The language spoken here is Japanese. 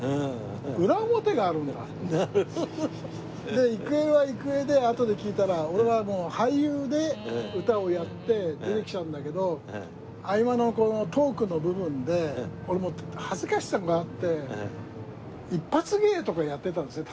で郁恵は郁恵であとで聞いたら俺はもう俳優で歌をやって出てきたんだけど合間のこのトークの部分で俺もう恥ずかしさがあって一発芸とかやってたんですね